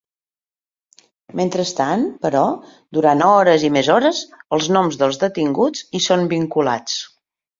Mentrestant, però, durant hores i més hores, els noms dels detinguts hi són vinculats.